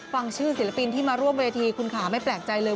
ฟังชื่อศิลปินที่มาร่วมเวทีคุณขาไม่แปลกใจเลย